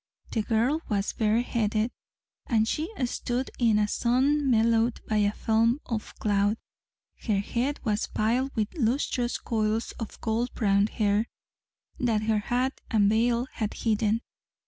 The girl was bareheaded, and she stood in a sun mellowed by a film of cloud. Her head was piled with lustrous coils of gold brown hair that her hat and veil had hidden.